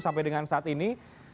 sampai dengan saat ini